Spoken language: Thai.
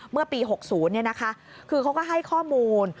เมื่อปี๖๐คือเขาก็ให้ข้อมูล